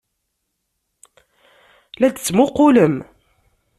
La d-tettmuqqulem.